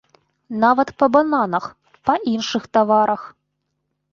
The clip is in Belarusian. Нават па бананах, па іншых таварах.